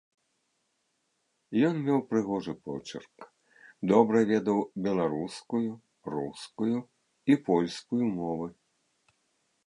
Ён меў прыгожы почырк, добра ведаў беларускую, рускую і польскую мовы.